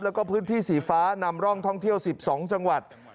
แล้วก็พื้นที่สีฟ้านำร่องท่องเที่ยว๑๒จังหวัด